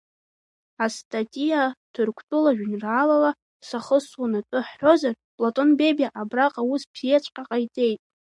Астатиа Ҭырқәтәыла жәеинраалала сахысуан атәы ҳҳәозар, Платон Бебиа абраҟа аус бзиаҵәҟьа ҟаиҵеит.